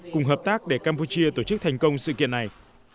cùng hợp tác để campuchia tổ chức thành công sự kiện này